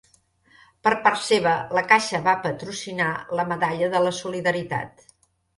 Per part seva, La Caixa va patrocinar la Medalla de la solidaritat.